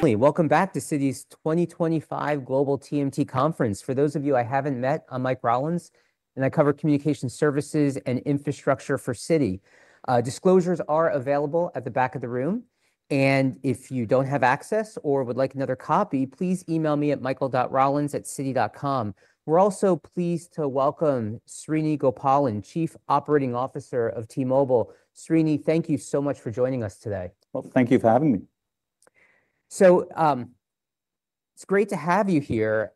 Hey, welcome back to Citi's 2025 Global TMT Conference. For those of you I haven't met, I'm Mike Rawlins, and I cover communication services and infrastructure for Citi. Disclosures are available at the back of the room, and if you don't have access or would like another copy, please email me at michael.rawlins@citi.com. We're also pleased to welcome Srini Gopalan, Chief Operating Officer of T-Mobile. Srini, thank you so much for joining us today. Thank you for having me. It's great to have you here.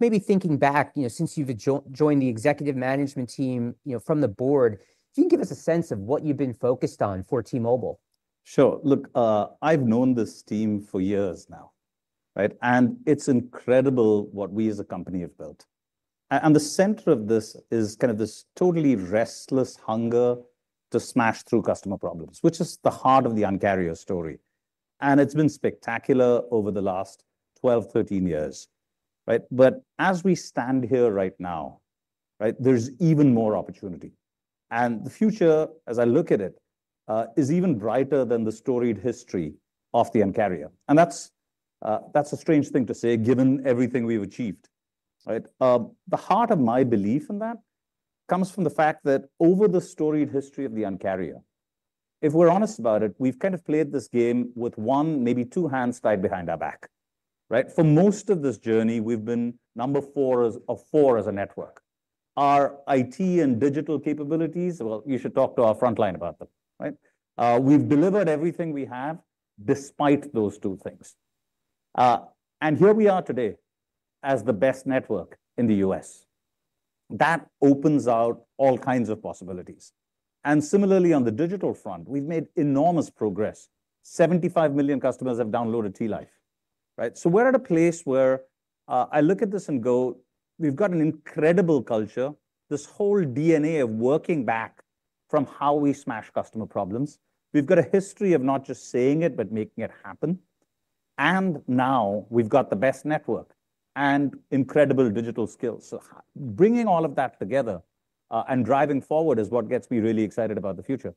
Maybe thinking back, since you've joined the executive management team from the board, if you can give us a sense of what you've been focused on for T-Mobile. Sure. Look, I've known this team for years now, right? It's incredible what we as a company have built. The center of this is kind of this totally restless hunger to smash through customer problems, which is the heart of the Un-carrier story. It's been spectacular over the last 12, 13 years, right? As we stand here right now, right, there's even more opportunity. The future, as I look at it, is even brighter than the storied history of the Un-carrier. That's a strange thing to say given everything we've achieved, right? The heart of my belief in that comes from the fact that over the storied history of Un-carrier ., if we're honest about it, we've kind of played this game with one, maybe two hands tied behind our back, right? For most of this journey, we've been number four of four as a network. Our IT and digital capabilities, well, you should talk to our frontline about them, right? We've delivered everything we have despite those two things. Here we are today as the best network in the U.S. That opens out all kinds of possibilities. Similarly, on the digital front, we've made enormous progress. 75 million customers have downloaded T-Life, right? We're at a place where I look at this and go, we've got an incredible culture, this whole DNA of working back from how we smash customer problems. We've got a history of not just saying it, but making it happen. Now we've got the best network and incredible digital skills. Bringing all of that together and driving forward is what gets me really excited about the future.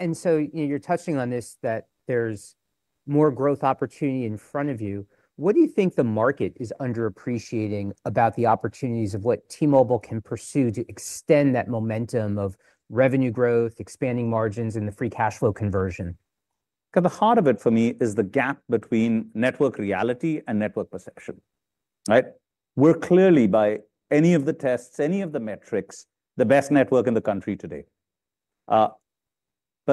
You are touching on this, that there's more growth opportunity in front of you. What do you think the market is underappreciating about the opportunities of what T-Mobile can pursue to extend that momentum of revenue growth, expanding margins, and the free cash flow conversion? Because the heart of it for me is the gap between network reality and network perception. Right? We're clearly, by any of the tests, any of the metrics, the best network in the country today.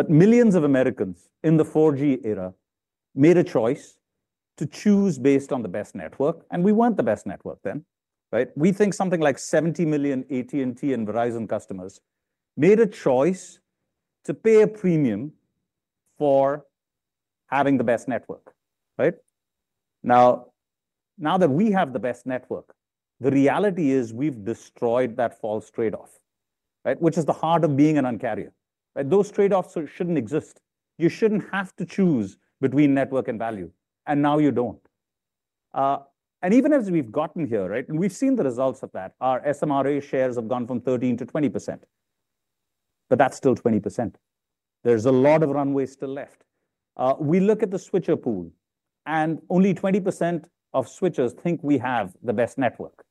Millions of Americans in the 4G era made a choice to choose based on the best network, and we weren't the best network then. We think something like 70 million AT&T and Verizon customers made a choice to pay a premium for having the best network. Now that we have the best network, the reality is we've destroyed that false trade-off, which is the heart of being an Un-carrier. Those trade-offs shouldn't exist. You shouldn't have to choose between network and value, and now you don't. Even as we've gotten here, and we've seen the results of that, our SMRA shares have gone from 13% to 20%. That's still 20%. There's a lot of runway still left. We look at the switcher pool, and only 20% of switchers think we have the best network.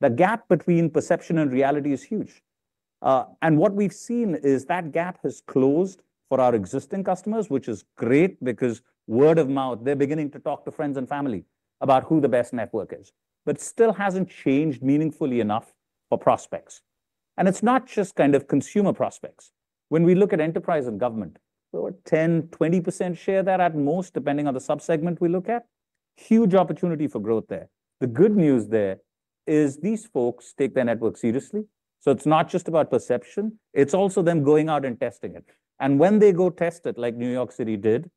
The gap between perception and reality is huge. What we've seen is that gap has closed for our existing customers, which is great because word of mouth, they're beginning to talk to friends and family about who the best network is, but still hasn't changed meaningfully enough for prospects. It's not just kind of consumer prospects. When we look at enterprise and government, we're at 10%, 20% share there at most, depending on the subsegment we look at. Huge opportunity for growth there. The good news there is these folks take their network seriously. It's not just about perception. It's also them going out and testing it. When they go test it, like New York City did,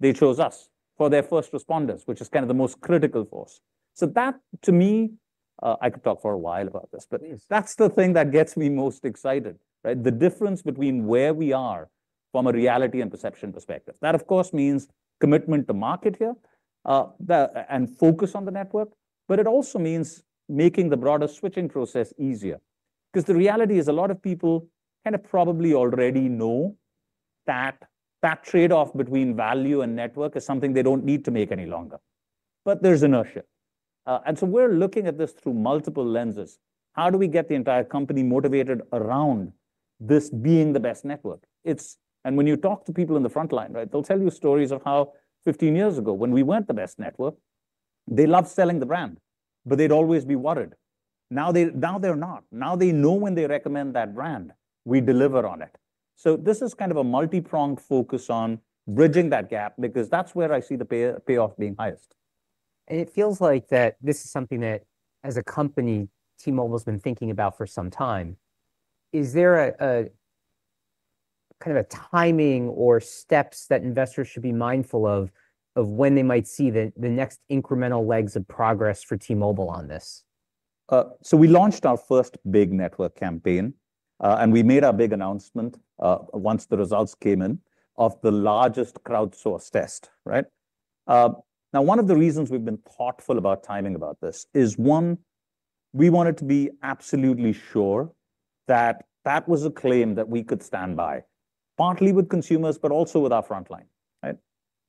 they chose us for their first responders, which is kind of the most critical force. I could talk for a while about this, but that's the thing that gets me most excited, the difference between where we are from a reality and perception perspective. That, of course, means commitment to market here and focus on the network, but it also means making the broader switching process easier. The reality is a lot of people probably already know that trade-off between value and network is something they don't need to make any longer. There's inertia. We're looking at this through multiple lenses. How do we get the entire company motivated around this being the best network? When you talk to people in the frontline, they'll tell you stories of how 15 years ago, when we weren't the best network, they loved selling the brand, but they'd always be worried. Now they're not. Now they know when they recommend that brand, we deliver on it. This is kind of a multipronged focus on bridging that gap because that's where I see the payoff being highest. It feels like this is something that, as a company, T-Mobile has been thinking about for some time. Is there a kind of timing or steps that investors should be mindful of when they might see the next incremental legs of progress for T-Mobile on this? We launched our first big network campaign, and we made our big announcement once the results came in of the largest crowdsource test, right? One of the reasons we've been thoughtful about timing about this is, one, we wanted to be absolutely sure that that was a claim that we could stand by, partly with consumers, but also with our frontline,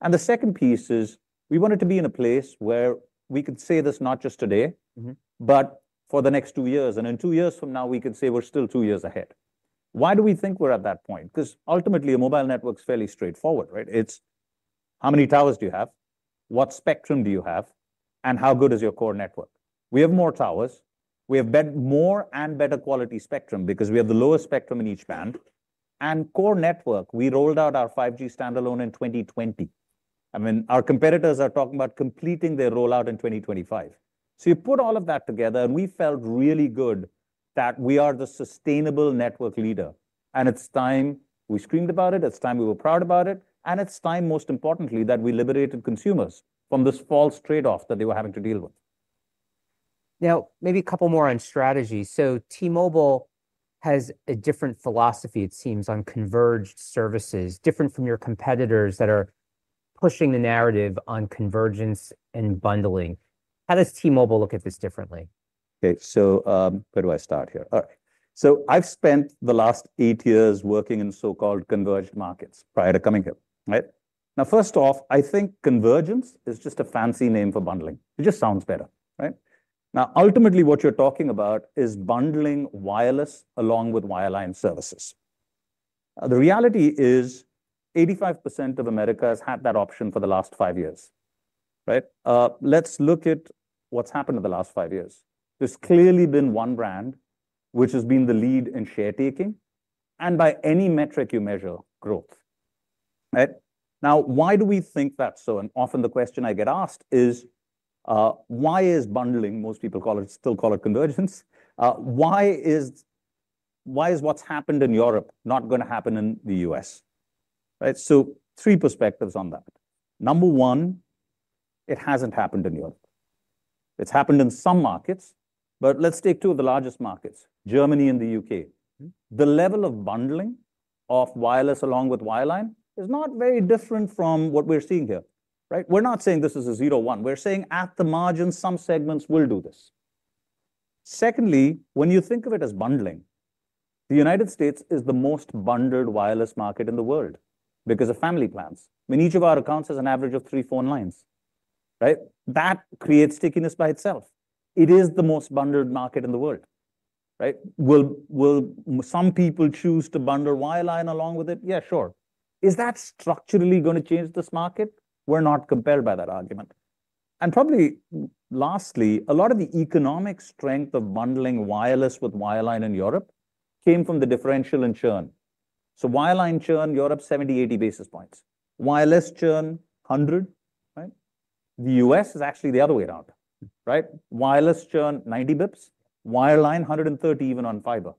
right? The second piece is we wanted to be in a place where we could say this not just today, but for the next two years, and in two years from now, we could say we're still two years ahead. Why do we think we're at that point? Ultimately, a mobile network is fairly straightforward, right? It's how many towers do you have, what spectrum do you have, and how good is your core network? We have more towers. We have more and better quality spectrum because we have the lowest spectrum in each band. Core network, we rolled out our 5G standalone in 2020. I mean, our competitors are talking about completing their rollout in 2025. You put all of that together, and we felt really good that we are the sustainable network leader. It's time we screamed about it. It's time we were proud about it. Most importantly, it's time that we liberated consumers from this false trade-off that they were having to deal with. Maybe a couple more on strategy. T-Mobile has a different philosophy, it seems, on converged services, different from your competitors that are pushing the narrative on convergence and bundling. How does T-Mobile look at this differently? Okay, so where do I start here? All right. I've spent the last eight years working in so-called converged markets prior to coming here. Right? First off, I think convergence is just a fancy name for bundling. It just sounds better. Right? Ultimately, what you're talking about is bundling wireless along with wireline services. The reality is 85% of America has had that option for the last five years. Right? Let's look at what's happened in the last five years. There's clearly been one brand which has been the lead in share-taking and by any metric you measure growth. Right? Why do we think that's so? Often the question I get asked is, why is bundling, most people still call it convergence, why is what's happened in Europe not going to happen in the U.S.? Right? Three perspectives on that. Number one, it hasn't happened in Europe. It's happened in some markets, but let's take two of the largest markets, Germany and the U.K. The level of bundling of wireless along with wireline is not very different from what we're seeing here. Right? We're not saying this is a zero-one. We're saying at the margin, some segments will do this. Secondly, when you think of it as bundling, the U.S. is the most bundled wireless market in the world because of family plans. Each of our accounts has an average of three phone lines. Right? That creates stickiness by itself. It is the most bundled market in the world. Right? Will some people choose to bundle wireline along with it? Yeah, sure. Is that structurally going to change this market? We're not compelled by that argument. Probably lastly, a lot of the economic strength of bundling wireless with wireline in Europe came from the differential in churn. Wireline churn, Europe 70 basis points-80 basis points. Wireless churn, 100 basis points. Right? The U.S. is actually the other way around. Right? Wireless churn, 90 bps. Wireline, 130 basis points even on fiber.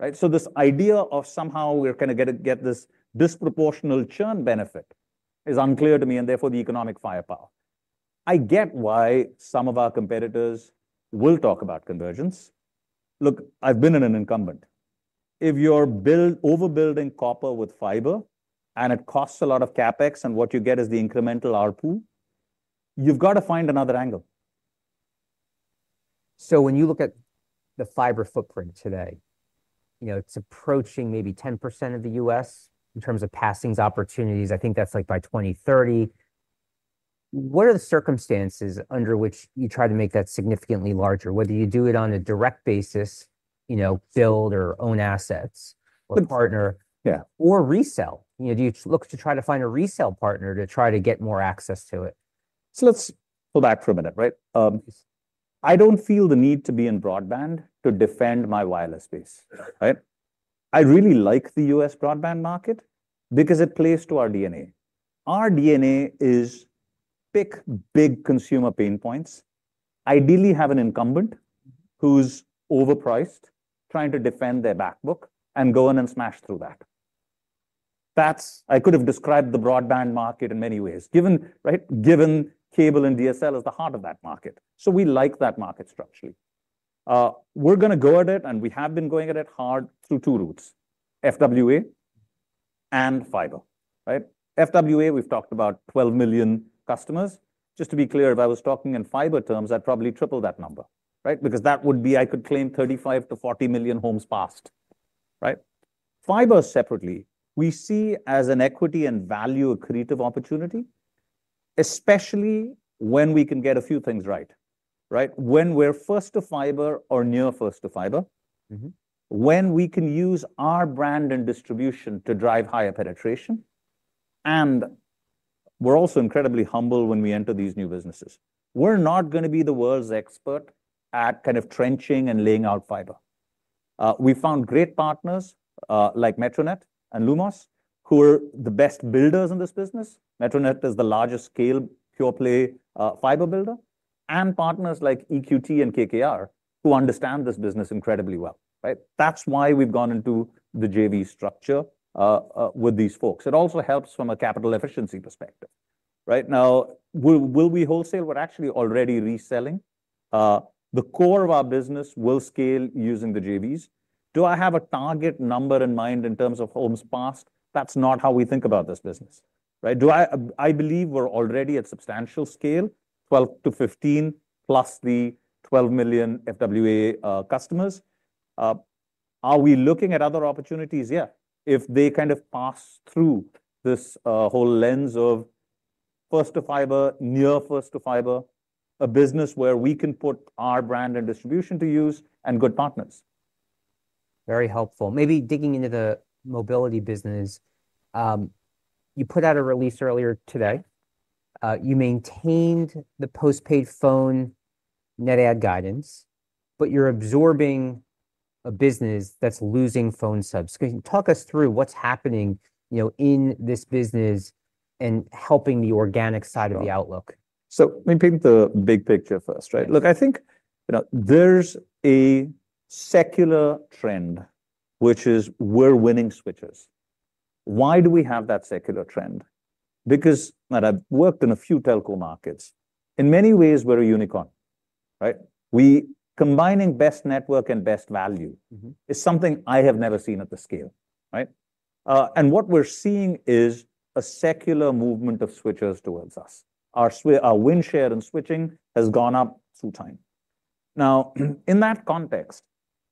Right? This idea of somehow we're going to get this disproportional churn benefit is unclear to me, and therefore the economic firepower. I get why some of our competitors will talk about convergence. Look, I've been in an incumbent. If you're overbuilding copper with fiber and it costs a lot of CapEx and what you get is the incremental ARPU, you've got to find another angle. When you look at the fiber footprint today, it's approaching maybe 10% of the U.S. in terms of passing opportunities. I think that's like by 2030. What are the circumstances under which you try to make that significantly larger, whether you do it on a direct basis, build or own assets or partner, or resell? Do you look to try to find a resell partner to try to get more access to it? Let's pull back for a minute, right? I don't feel the need to be in broadband to defend my wireless space. I really like the U.S. broadband market because it plays to our DNA. Our DNA is pick big consumer pain points, ideally have an incumbent who's overpriced, trying to defend their backbook, and go in and smash through that. I could have described the broadband market in many ways, given cable and DSL as the heart of that market. We like that market structurally. We're going to go at it, and we have been going at it hard through two routes, FWA and fiber. FWA, we've talked about 12 million customers. Just to be clear, if I was talking in fiber terms, I'd probably triple that number because that would be, I could claim 35 million - 40 million homes passed. Fiber separately, we see as an equity and value accretive opportunity, especially when we can get a few things right. When we're first to fiber or near first to fiber, when we can use our brand and distribution to drive higher penetration, and we're also incredibly humble when we enter these new businesses. We're not going to be the world's expert at kind of trenching and laying out fiber. We found great partners like Metronet and Lumos, who are the best builders in this business. Metronet is the largest scale pure play fiber builder, and partners like EQT and KKR, who understand this business incredibly well. That's why we've gone into the JV structure with these folks. It also helps from a capital efficiency perspective. Now, will we wholesale? We're actually already reselling. The core of our business will scale using the JVs. Do I have a target number in mind in terms of homes passed? That's not how we think about this business. I believe we're already at substantial scale, 12 million to 15 million plus the 12 million FWA customers. Are we looking at other opportunities? Yeah. If they kind of pass through this whole lens of first to fiber, near first to fiber, a business where we can put our brand and distribution to use, and good partners. Very helpful. Maybe digging into the mobility business, you put out a release earlier today. You maintained the postpaid phone net add guidance, but you're absorbing a business that's losing phone subs. Talk us through what's happening in this business and helping the organic side of the outlook. I'm painting the big picture first, right? I think, you know, there's a secular trend, which is we're winning switches. Why do we have that secular trend? Because, and I've worked in a few telco markets, in many ways, we're a unicorn. Right? We're combining best network and best value. It's something I have never seen at the scale. Right? What we're seeing is a secular movement of switches towards us. Our win share in switching has gone up through time. In that context,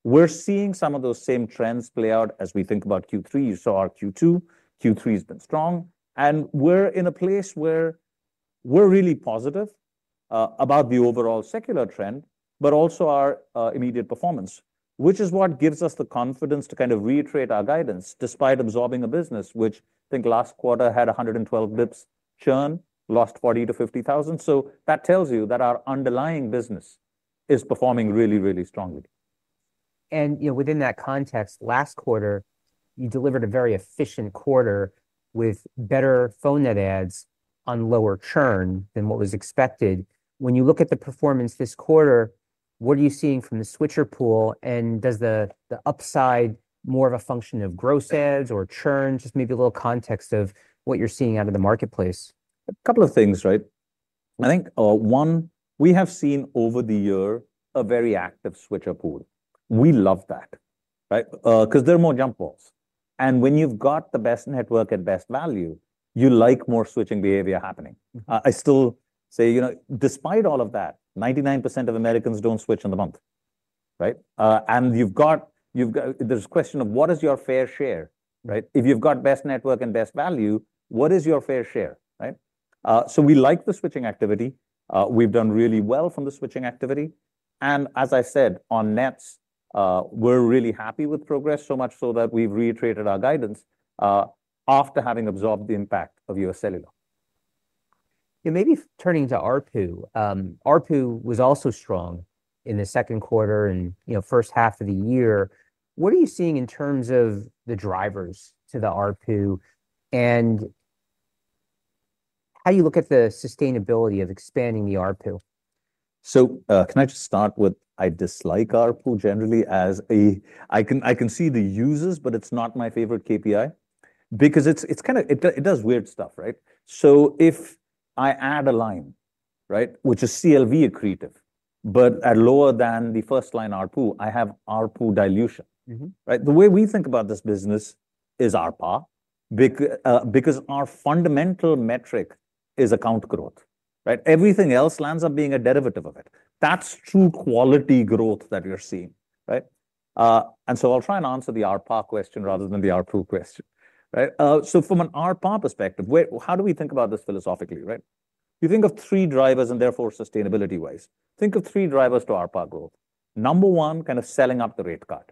we're seeing some of those same trends play out as we think about Q3. You saw our Q2. Q3 has been strong. We're in a place where we're really positive about the overall secular trend, but also our immediate performance, which is what gives us the confidence to kind of reiterate our guidance despite absorbing a business which, I think, last quarter had 112 bps churn, lost 40,000 - 50,000. That tells you that our underlying business is performing really, really strongly. Within that context, last quarter, you delivered a very efficient quarter with better phone net adds on lower churn than what was expected. When you look at the performance this quarter, what are you seeing from the switcher pool? Does the upside more of a function of gross adds or churn? Just maybe a little context of what you're seeing out of the marketplace. A couple of things, right? I think, one, we have seen over the year a very active switcher pool. We love that, right? Because there are more jump calls, and when you've got the best network at best value, you like more switching behavior happening. I still say, despite all of that, 99% of Americans don't switch in the month, right? There's a question of what is your fair share, right? If you've got best network and best value, what is your fair share, right? We like the switching activity. We've done really well from the switching activity. As I said, on nets, we're really happy with progress, so much so that we've reiterated our guidance after having absorbed the impact of UScellular. Turning to ARPU, ARPU was also strong in the second quarter and, you know, first half of the year. What are you seeing in terms of the drivers to the ARPU and how you look at the sustainability of expanding the ARPU? Can I just start with I dislike ARPU generally as a, I can see the uses, but it's not my favorite KPI because it does weird stuff, right? If I add a line, which is CLV accretive, but at lower than the first line ARPU, I have ARPU dilution. The way we think about this business is ARPA because our fundamental metric is account growth. Everything else ends up being a derivative of it. That's true quality growth that we're seeing. I'll try and answer the ARPA question rather than the ARPU question. From an ARPA perspective, how do we think about this philosophically? You think of three drivers and therefore sustainability-wise. Think of three drivers to ARPA growth. Number one, kind of selling up the rate cut.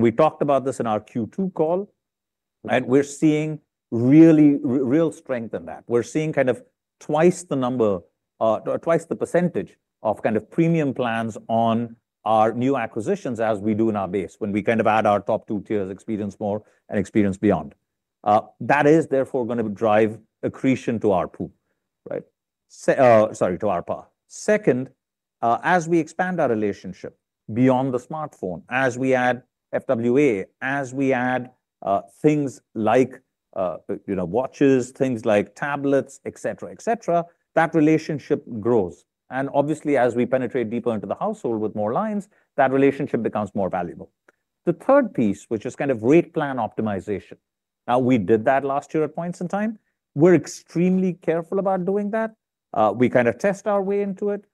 We talked about this in our Q2 call. We're seeing real strength in that. We're seeing twice the number, twice the percentage of premium plans on our new acquisitions as we do in our base when we add our top two tiers, experience more and experience beyond. That is therefore going to drive accretion to ARPU. Sorry, to ARPA. Second, as we expand our relationship beyond the smartphone, as we add FWA, as we add things like, you know, watches, things like tablets, et cetera, et cetera, that relationship grows. Obviously, as we penetrate deeper into the household with more lines, that relationship becomes more valuable. The third piece, which is kind of rate plan optimization. We did that last year at points in time. We're extremely careful about doing that. We test our way into it.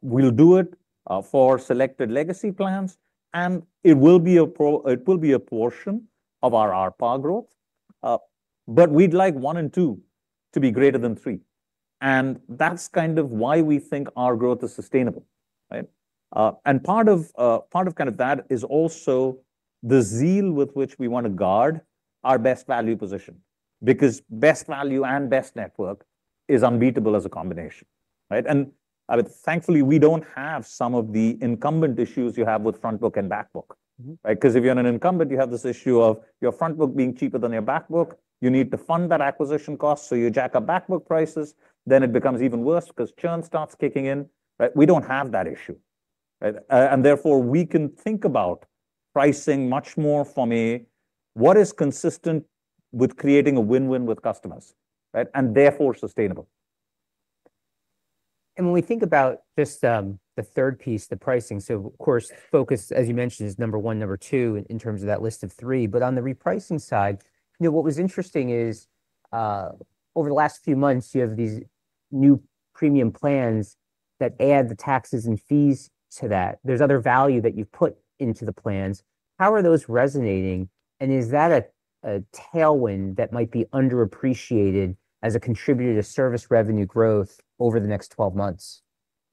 We'll do it for selected legacy plans. It will be a portion of our ARPA growth. We'd like one and two to be greater than three. That's kind of why we think our growth is sustainable. Part of that is also the zeal with which we want to guard our best value position because best value and best network is unbeatable as a combination. I would thankfully, we don't have some of the incumbent issues you have with frontbook and backbook. If you're an incumbent, you have this issue of your frontbook being cheaper than your backbook. You need to fund that acquisition cost. You jack up backbook prices. It becomes even worse because churn starts kicking in. We don't have that issue. Therefore, we can think about pricing much more from a what is consistent with creating a win-win with customers, and therefore sustainable. When we think about this, the third piece, the pricing, of course, focus, as you mentioned, is number one, number two in terms of that list of three. On the repricing side, what was interesting is over the last few months, you have these new premium plans that add the taxes and fees to that. There's other value that you put into the plans. How are those resonating? Is that a tailwind that might be underappreciated as a contributor to service revenue growth over the next 12 months?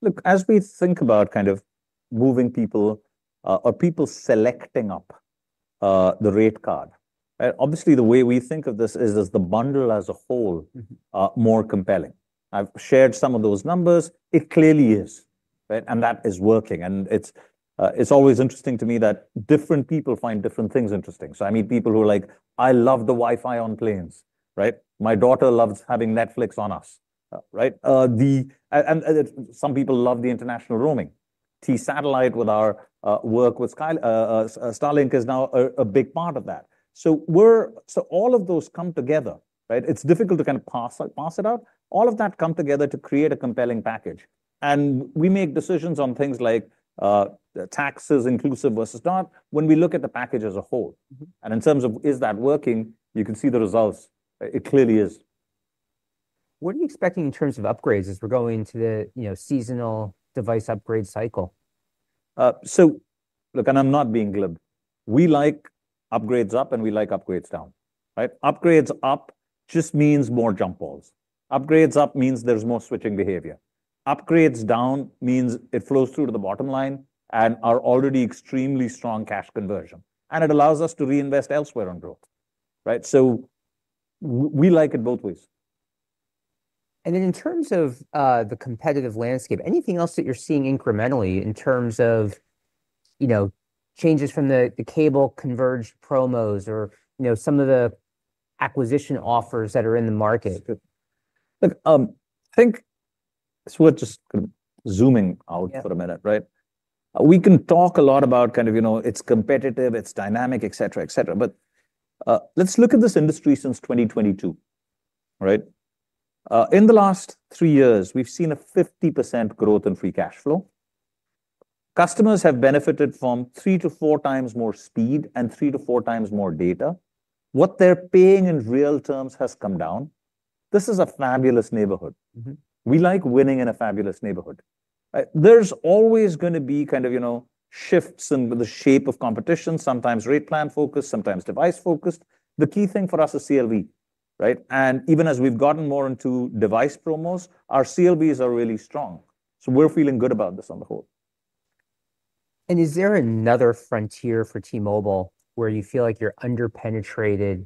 Look, as we think about kind of moving people or people selecting up the rate card, obviously, the way we think of this is the bundle as a whole more compelling. I've shared some of those numbers. It clearly is, right? That is working. It's always interesting to me that different people find different things interesting. I meet people who are like, I love the Wi-Fi on planes, right? My daughter loves having Netflix On Us, right? Some people love the international roaming. T-Satellite, with our work with Starlink, is now a big part of that. All of those come together, right? It's difficult to kind of pass it out. All of that comes together to create a compelling package. We make decisions on things like taxes inclusive versus not when we look at the package as a whole. In terms of is that working, you can see the results. It clearly is. What are you expecting in terms of upgrades as we're going into the seasonal device upgrade cycle? Look, I'm not being glib. We like upgrades up and we like upgrades down. Upgrades up just means more jump calls. Upgrades up means there's more switching behavior. Upgrades down mean it flows through to the bottom line and our already extremely strong cash conversion. It allows us to reinvest elsewhere on growth. We like it both ways. In terms of the competitive landscape, anything else that you're seeing incrementally in terms of changes from the cable converged promos or some of the acquisition offers that are in the market? Look, I think, just zooming out for a minute, right? We can talk a lot about, you know, it's competitive, it's dynamic, et cetera, et cetera. Let's look at this industry since 2022, right? In the last three years, we've seen a 50% growth in free cash flow. Customers have benefited from 3x -4x more speed and 3x-4x more data. What they're paying in real terms has come down. This is a fabulous neighborhood. We like winning in a fabulous neighborhood. There's always going to be, you know, shifts in the shape of competition, sometimes rate plan focused, sometimes device focused. The key thing for us is CLV, right? Even as we've gotten more into device promos, our CLVs are really strong. We're feeling good about this on the whole. Is there another frontier for T-Mobile where you feel like you're underpenetrated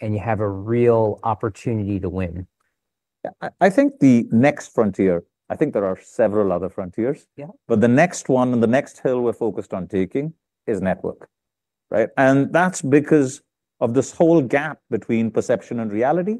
and you have a real opportunity to win? I think the next frontier, I think there are several other frontiers, but the next one and the next hill we're focused on taking is network, right? That's because of this whole gap between perception and reality,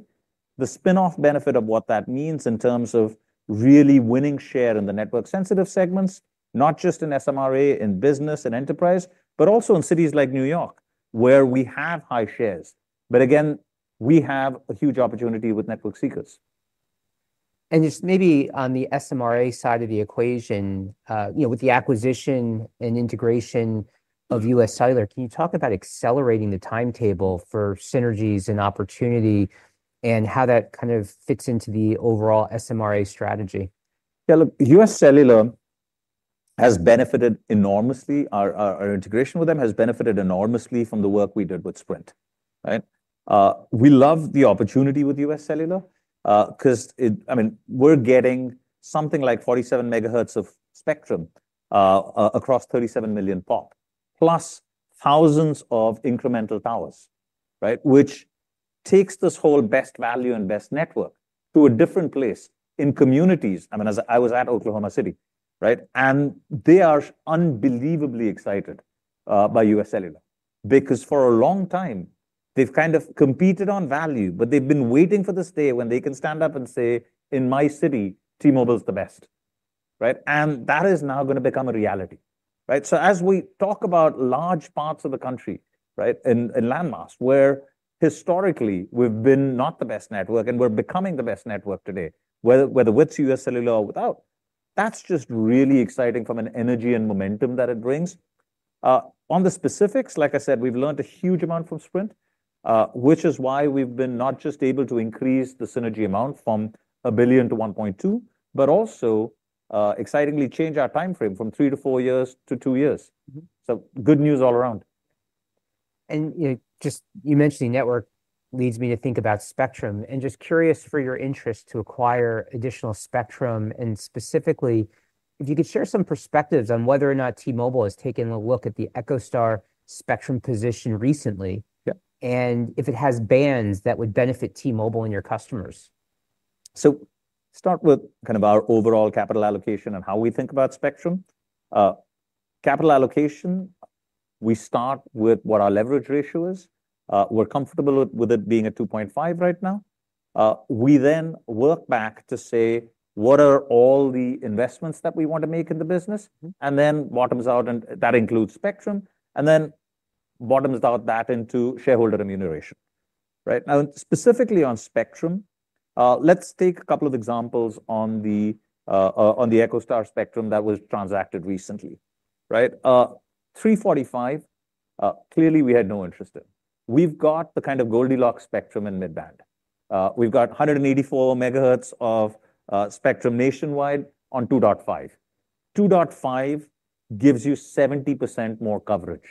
the spin-off benefit of what that means in terms of really winning share in the network-sensitive segments, not just in enterprise, but also in cities like New York where we have high shares. We have a huge opportunity with network seekers. On the SMRA side of the equation, with the acquisition and integration of UScellular, can you talk about accelerating the timetable for synergies and opportunity and how that kind of fits into the overall SMRA strategy? Yeah, look, UScellular has benefited enormously. Our integration with them has benefited enormously from the work we did with Sprint. We love the opportunity with UScellular because, I mean, we're getting something like 47 MHz of spectrum across 37 million POPs, plus thousands of incremental towers, which takes this whole best value and best network to a different place in communities. I was at Oklahoma City, and they are unbelievably excited by UScellular because for a long time, they've kind of competed on value, but they've been waiting for this day when they can stand up and say, "In my city, T-Mobile is the best." That is now going to become a reality. As we talk about large parts of the country and landmarks where historically we've been not the best network and we're becoming the best network today, whether with UScellular or without, that's just really exciting from an energy and momentum that it brings. On the specifics, like I said, we've learned a huge amount from Sprint, which is why we've been not just able to increase the synergy amount from $1 billion to $1.2 billion, but also excitingly change our timeframe from three to four years to two years. Good news all around. You mentioned the network, which leads me to think about spectrum. I'm curious about your interest to acquire additional spectrum, and specifically, if you could share some perspectives on whether or not T-Mobile has taken a look at the EchoStar spectrum position recently. If it has bands that would benefit T-Mobile and your customers. Start with kind of our overall capital allocation and how we think about spectrum. Capital allocation, we start with what our leverage ratio is. We're comfortable with it being at 2.5 right now. We then work back to say, what are all the investments that we want to make in the business? That includes spectrum. That bottoms out into shareholder remuneration. Now, specifically on spectrum, let's take a couple of examples on the EchoStar spectrum that was transacted recently. 345, clearly we had no interest in. We've got the kind of Goldilocks spectrum in mid-band. We've got 184 MHz of spectrum nationwide on 2.5. 2.5 gives you 70% more coverage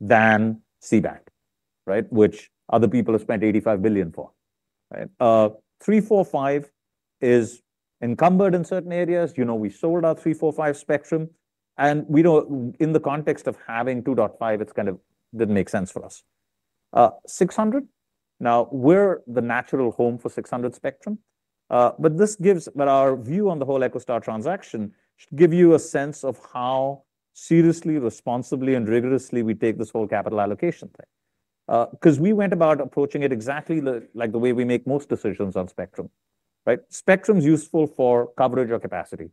than C-band, which other people have spent $85 billion for. 345 is encumbered in certain areas. We sold our 345 spectrum. We know in the context of having 2.5, it kind of didn't make sense for us. 600, now we're the natural home for 600 spectrum. This gives our view on the whole EchoStar transaction and gives you a sense of how seriously, responsibly, and rigorously we take this whole capital allocation thing. We went about approaching it exactly like the way we make most decisions on spectrum. Spectrum is useful for coverage or capacity.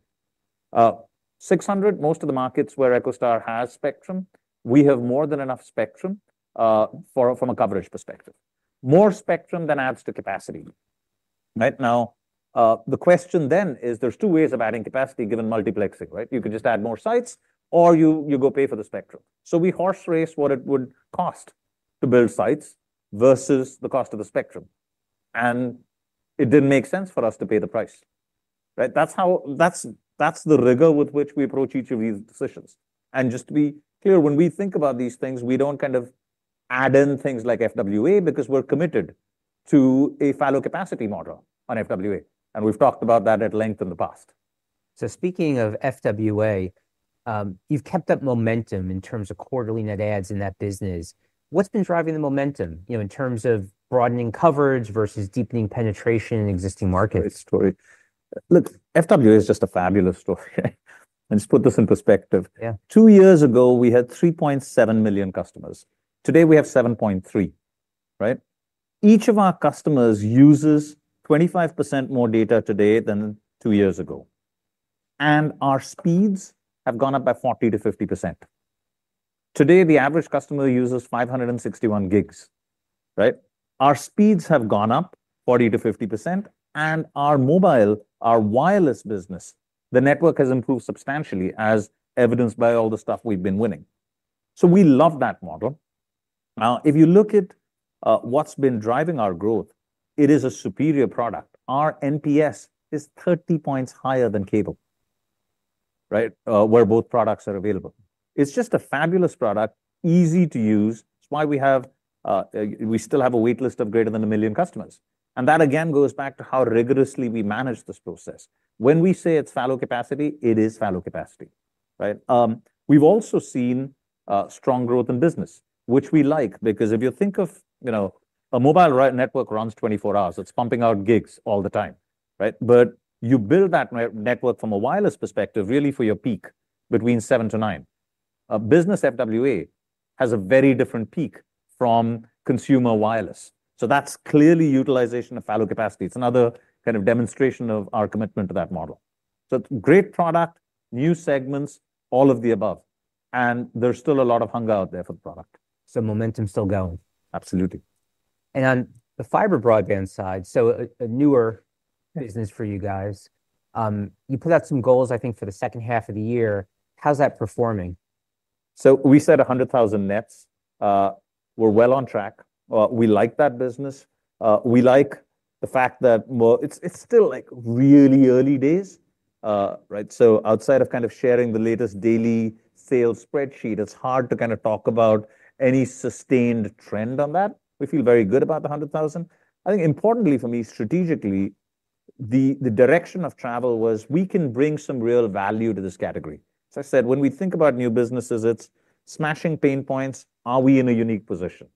600, most of the markets where EchoStar has spectrum, we have more than enough spectrum from a coverage perspective. More spectrum then adds to capacity. The question then is there's two ways of adding capacity given multiplexing. You can just add more sites or you go pay for the spectrum. We horserace what it would cost to build sites versus the cost of the spectrum. It didn't make sense for us to pay the price. That's the rigor with which we approach each of these decisions. Just to be clear, when we think about these things, we don't kind of add in things like fixed wireless access because we're committed to a fallow capacity model on fixed wireless access. We've talked about that at length in the past. of fixed wireless access, you've kept up momentum in terms of quarterly net adds in that business. What's been driving the momentum, in terms of broadening coverage versus deepening penetration in existing markets? Look, FWA is just a fabulous story. Just put this in perspective. Two years ago, we had 3.7 million customers. Today, we have 7.3 million. Each of our customers uses 25% more data today than two years ago, and our speeds have gone up by 40%- 50%. Today, the average customer uses 561 gigs. Our speeds have gone up 40 %- 50%. Our mobile, our wireless business, the network has improved substantially as evidenced by all the stuff we've been winning. We love that model. If you look at what's been driving our growth, it is a superior product. Our NPS is 30 points higher than cable, where both products are available. It's just a fabulous product, easy to use. It's why we still have a waitlist of greater than a million customers. That, again, goes back to how rigorously we manage this process. When we say it's fallow capacity, it is fallow capacity. We've also seen strong growth in business, which we like because if you think of, you know, a mobile network runs 24 hours, it's pumping out gigs all the time. You build that network from a wireless perspective really for your peak between 7:00 P.M. -9:00 P.M. A business FWA has a very different peak from consumer wireless. That's clearly utilization of fallow capacity. It's another kind of demonstration of our commitment to that model. It's a great product, new segments, all of the above. There's still a lot of hunger out there for the product. Momentum is still going. Absolutely. On the fiber broadband side, a newer business for you guys, you put out some goals, I think, for the second half of the year. How's that performing? We said 100,000 nets. We're well on track. We like that business. We like the fact that it's still really early days, right? Outside of kind of sharing the latest daily sales spreadsheet, it's hard to talk about any sustained trend on that. We feel very good about the 100,000. I think importantly for me, strategically, the direction of travel was we can bring some real value to this category. I said when we think about new businesses, it's smashing pain points. Are we in a unique position?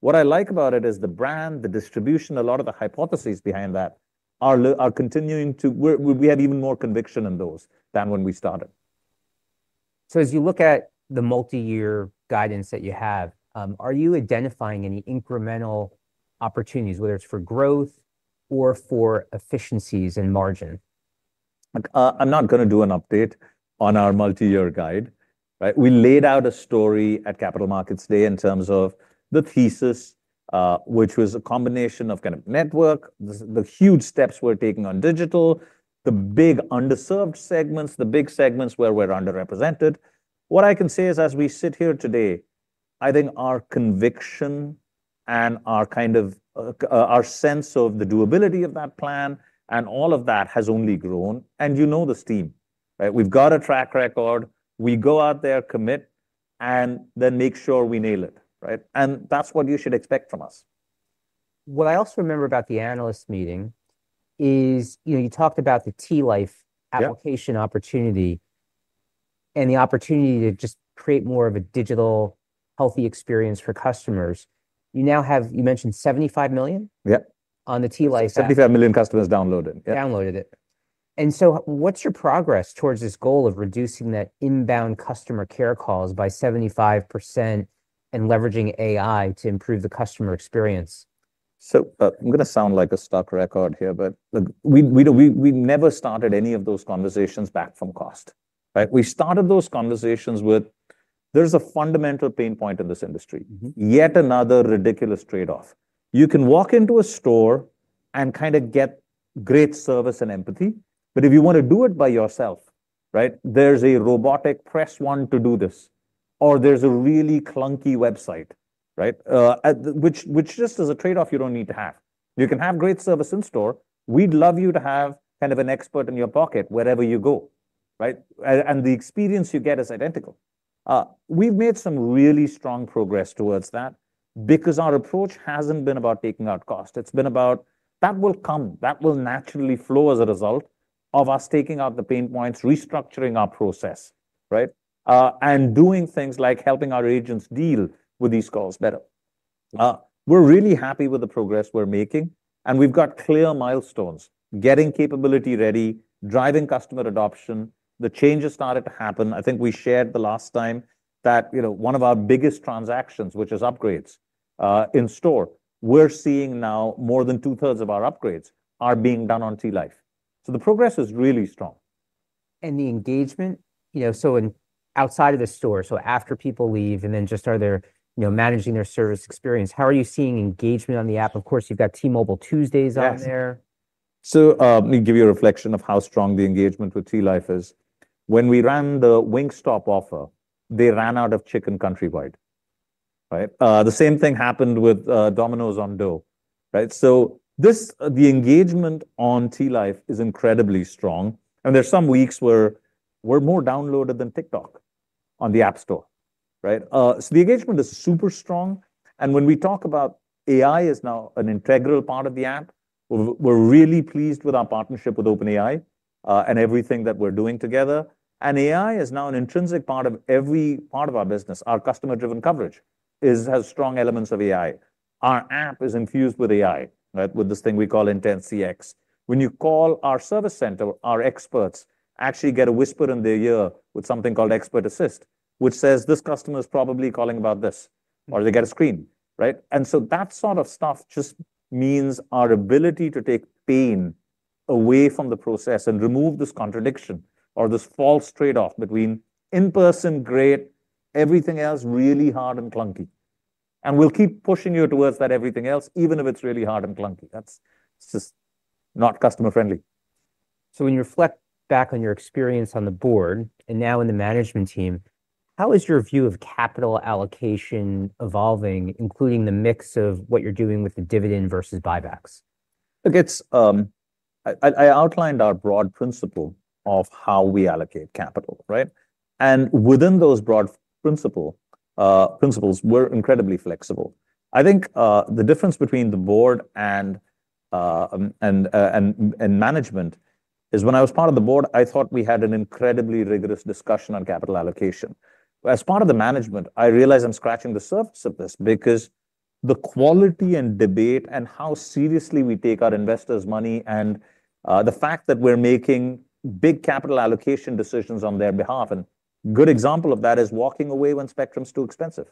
What I like about it is the brand, the distribution, a lot of the hypotheses behind that are continuing to, we have even more conviction in those than when we started. As you look at the multi-year guidance that you have, are you identifying any incremental opportunities, whether it's for growth or for efficiencies and margin? I'm not going to do an update on our multi-year guide. We laid out a story at Capital Markets Day in terms of the thesis, which was a combination of kind of network, the huge steps we're taking on digital, the big underserved segments, the big segments where we're underrepresented. What I can say is as we sit here today, I think our conviction and our kind of our sense of the doability of that plan and all of that has only grown. You know this team. We've got a track record. We go out there, commit, and then make sure we nail it. Right? That's what you should expect from us. What I also remember about the analyst meeting is, you know, you talked about the T-Life application opportunity and the opportunity to just create more of a digital healthy experience for customers. You now have, you mentioned 75 million? On the T-Life. 75 million customers downloaded. What's your progress towards this goal of reducing that inbound customer care calls by 75% and leveraging AI to improve the customer experience? I am going to sound like a stuck record here, but look, we never started any of those conversations back from cost. Right? We started those conversations with there's a fundamental pain point in this industry, yet another ridiculous trade-off. You can walk into a store and kind of get great service and empathy, but if you want to do it by yourself, right, there's a robotic press want to do this, or there's a really clunky website, right, which just is a trade-off you don't need to have. You can have great service in store. We'd love you to have kind of an expert in your pocket wherever you go. Right? The experience you get is identical. We've made some really strong progress towards that because our approach hasn't been about taking out cost. It's been about that will come, that will naturally flow as a result of us taking out the pain points, restructuring our process, right, and doing things like helping our agents deal with these calls better. We're really happy with the progress we're making, and we've got clear milestones, getting capability ready, driving customer adoption. The changes started to happen. I think we shared the last time that, you know, one of our biggest transactions, which is upgrades in store, we're seeing now more than two-thirds of our upgrades are being done on T-Life. The progress is really strong. The engagement, you know, outside of the store, after people leave and then just are there, you know, managing their service experience, how are you seeing engagement on the app? Of course, you've got T-Mobile Tuesdays on there. Let me give you a reflection of how strong the engagement with T-Life is. When we ran the Wingstop offer, they ran out of chicken countrywide. The same thing happened with Domino's on Dough. The engagement on T-Life is incredibly strong. There are some weeks where we're more downloaded than TikTok on the app store. The engagement is super strong. When we talk about AI, it is now an integral part of the app. We're really pleased with our partnership with OpenAI and everything that we're doing together. AI is now an intrinsic part of every part of our business. Our customer-driven coverage has strong elements of AI. Our app is infused with AI, with this thing we call Intense CX. When you call our service center, our experts actually get a whisper in their ear with something called Expert Assist, which says this customer is probably calling about this, or they get a screen. That sort of stuff just means our ability to take pain away from the process and remove this contradiction or this false trade-off between in-person great, everything else really hard and clunky. We'll keep pushing you towards that everything else, even if it's really hard and clunky. That's just not customer-friendly. When you reflect back on your experience on the board and now in the management team, how is your view of capital allocation evolving, including the mix of what you're doing with the dividend versus buybacks? Look, I outlined our broad principle of how we allocate capital. Within those broad principles, we're incredibly flexible. I think the difference between the board and management is when I was part of the board, I thought we had an incredibly rigorous discussion on capital allocation. As part of the management, I realize I'm scratching the surface of this because the quality and debate and how seriously we take our investors' money and the fact that we're making big capital allocation decisions on their behalf. A good example of that is walking away when spectrum is too expensive.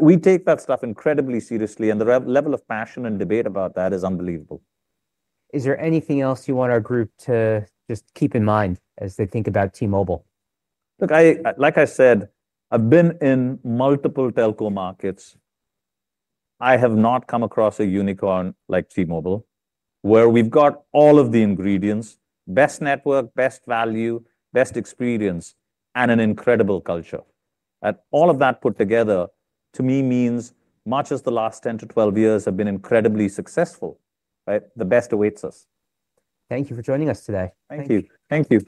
We take that stuff incredibly seriously, and the level of passion and debate about that is unbelievable. Is there anything else you want our group to just keep in mind as they think about T-Mobile? Look, like I said, I've been in multiple telco markets. I have not come across a unicorn like T-Mobile where we've got all of the ingredients: best network, best value, best experience, and an incredible culture. All of that put together, to me, means much as the last 10 - 12 years have been incredibly successful, the best awaits us. Thank you for joining us today. Thank you. Thank you.